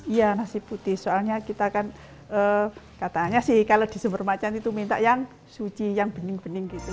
iya nasi putih soalnya kita kan katanya sih kalau di sumber macan itu minta yang suci yang bening bening gitu